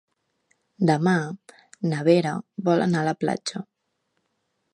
Demà na Vera vol anar a la platja.